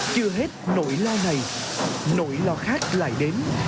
chưa hết nỗi lo này nỗi lo khác lại đến